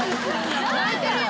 泣いてるよ